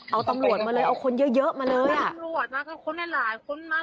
เอาตำรวจมาเลยเอาคนเยอะมาเลย